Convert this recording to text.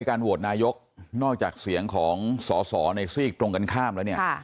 การโหวตนายกนอกจากเสียงของสอสอในซีกตรงกันข้ามแล้วเนี่ย